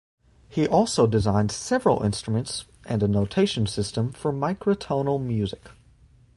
He also designed several instruments and a notation system for microtonal music.